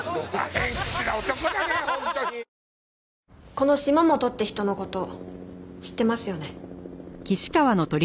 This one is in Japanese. この島本って人の事知ってますよね？